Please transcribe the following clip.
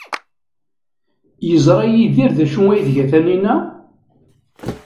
Yeẓra Yidir d acu ay tga Taninna?